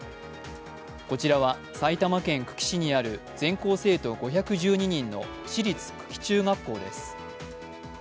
こちらは埼玉県久喜市にある全校生徒５１２人の市立久喜中学校です。